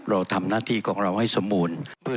เราทำหน้าที่ของเราให้สมบูรณ์